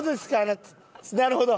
なるほど。